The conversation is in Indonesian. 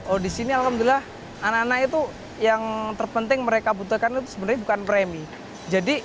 oh disini alhamdulillah anaknya itu yang terpenting mereka butuhkannya atau sebagai bukan premi jadi